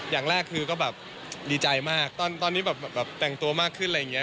อย่างแรกคือก็แบบดีใจมากตอนนี้แบบแต่งตัวมากขึ้นอะไรอย่างนี้